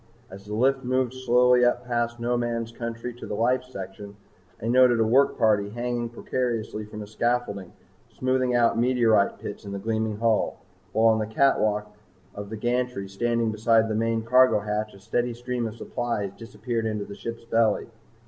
As the lift moved slowly up past no man's country to the life section, I noted a work party hanging precariously from a scaffolding smoothing out meteorite pits in the gleaming hull, while on the catwalk of the gantry standing beside the main cargo hatch a steady stream of supplies disappeared into the ship's belly.